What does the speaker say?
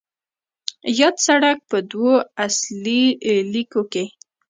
یاد سړک په دوو اصلي لیکو کې